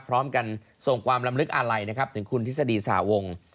พร้อมกันส่งความลำลึกอาลัยนะครับถึงคุณทฤษฎีสหวง